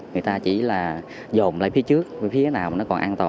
người ta chỉ là dồn lên phía trước phía nào mà nó còn an toàn